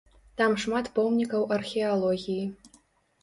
Там шмат помнікаў археалогіі.